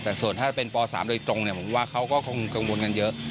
แต่ส่วนถ้าเป็นป๓โดยตรงผมว่าเขาก็คงกังวลกันเยอะ